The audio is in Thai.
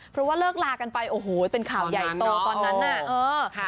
เพราะว่าเลิกลากันไปโอ้โหเป็นข่าวใหญ่โตตอนนั้นน่ะเออค่ะ